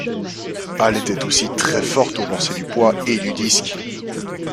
Elle était aussi très forte au lancer du poids et du disque.